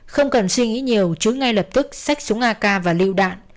không cần suy nghĩ nhiều trứ ngay lập tức xách súng ak và lựu đạn